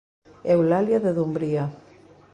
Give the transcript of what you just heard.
Eulalia de Dumbría.